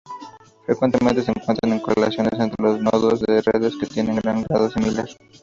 Frecuentemente se encuentran correlaciones entre los nodos de redes que tienen grado similar.